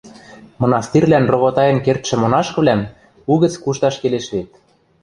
Мынастирлӓн ровотаен кердшӹ монашкывлӓм угӹц кушташ келеш вет.